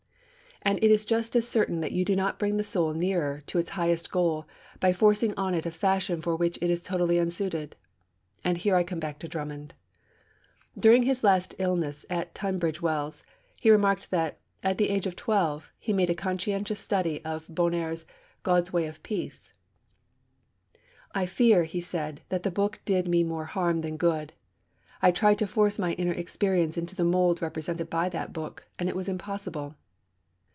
And it is just as certain that you do not bring the soul nearer to its highest goal by forcing on it a fashion for which it is totally unsuited. And here I come back to Drummond. During his last illness at Tunbridge Wells, he remarked that, at the age of twelve, he made a conscientious study of Bonar's God's Way of Peace. 'I fear,' he said, 'that the book did me more harm than good. I tried to force my inner experience into the mould represented by that book, and it was impossible.'